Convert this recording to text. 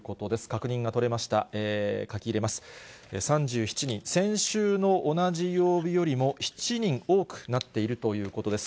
３７人、先週の同じ曜日よりも７人多くなっているということです。